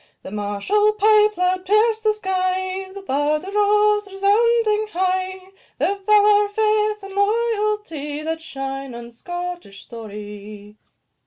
The martial pipe loud pierced the sky, The bard arose, resounding high Their valour, faith, and loyalty, That shine in Scottish story.